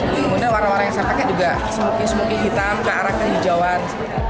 kemudian warna warna yang saya pakai juga smooking smokey hitam ke arah kehijauan